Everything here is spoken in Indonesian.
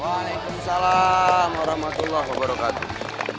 waalaikumsalam warahmatullahi wabarakatuh